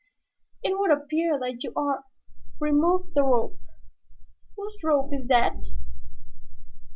"It would appear that you are. Remove the rope. Whose rope is that?"